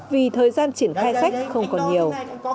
vì thời gian triển khai sách không còn nhiều